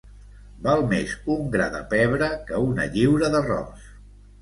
Val més un gra de pebre que una lliura d'arròs.